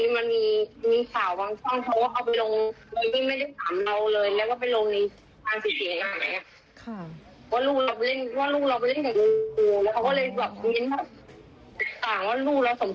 แต่ทีมันบังคันเค้าก็ไปลงเลยไม่ได้ถามเราเลยแล้วก็ไปลงกัน